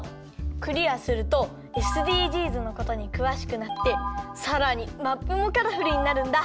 クリアするとＳＤＧｓのことにくわしくなってさらにマップもカラフルになるんだ。